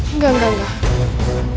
enggak enggak enggak